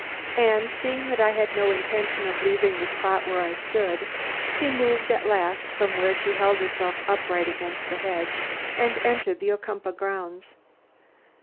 And, seeing that I had no intention of leaving the spot where I stood, she moved at last from where she held herself upright against the hedge, and entered the Ocumpaugh grounds.